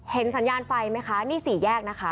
สัญญาณไฟไหมคะนี่สี่แยกนะคะ